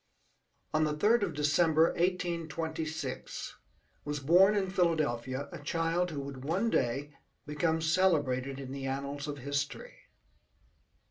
On the 3rd of December, 1826, was born in Philadelphia, a child who would one day become celebrated in the annals of history.